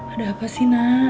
ada apa sih nak